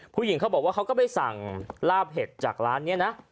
เขาบอกว่าเขาก็ไปสั่งลาบเห็ดจากร้านนี้นะ